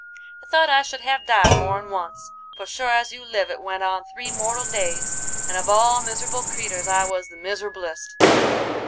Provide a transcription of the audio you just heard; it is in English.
"I thought I should have died more'n once, for sure as you live it went on three mortal days, and of all miser'ble creeters I was the miser'blest.